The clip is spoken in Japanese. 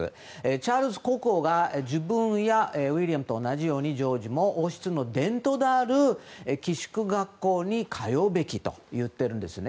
チャールズ国王が自分やウィリアムと同じようにジョージも王室の伝統である寄宿学校に通うべきと言ってるんですね。